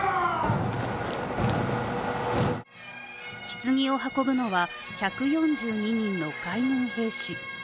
ひつぎを運ぶのは１４２人の海軍兵士。